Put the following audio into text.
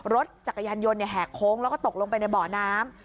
รถจักรยานยนต์แหกโค้งแล้วก็ตกลงไปในบ่อน้ำ